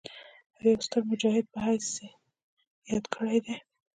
او يو ستر مجاهد پۀ حييث ياد کړي دي